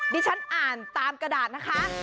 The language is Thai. ฉันอ่านตามกระดาษนะคะ